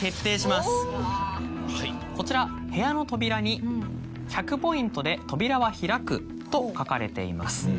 こちら部屋の扉に「１００ポイントで扉は開く」と書かれています。